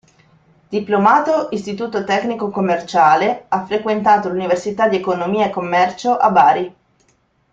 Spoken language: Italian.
Diplomato istituto tecnico commerciale, ha frequentato l'università di economia e commercio a Bari.